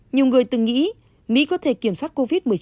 nhiều người từng nghĩ mỹ có thể kiểm soát covid một mươi chín